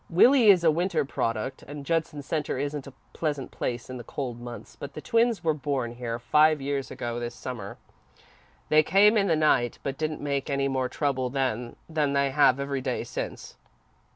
"Willie is a Winter product and Judson Centre isn't a pleasant place in the cold months, but the twins were born here, five years ago this Summer. They came in the night, but didn't make any more trouble then than they have every day since."